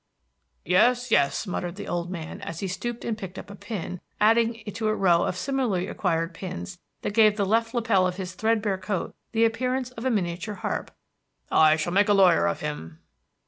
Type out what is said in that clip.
"Yes, yes," muttered the old man, as he stooped and picked up a pin, adding it to a row of similarly acquired pins which gave the left lapel of his threadbare coat the appearance of a miniature harp, "I shall make a lawyer of him."